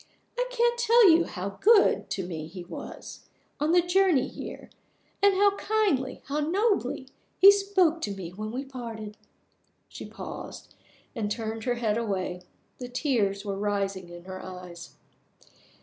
I can't tell you how good he was to me on the journey here and how kindly, how nobly, he spoke to me when we parted." She paused, and turned her head away. The tears were rising in her eyes.